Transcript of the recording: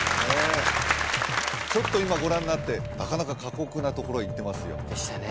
ちょっと今ご覧になってなかなか過酷なところへ行ってますよでしたね